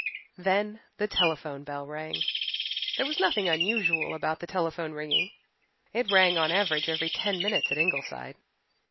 Then the telephone bell rang. There was nothing unusual about the telephone ringing. It rang on an average every ten minutes at Ingleside.